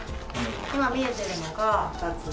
今見えてるのが２つの野菜。